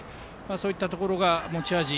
そういったところが持ち味。